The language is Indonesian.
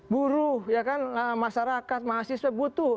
buruh ya kan masyarakat mahasiswa butuh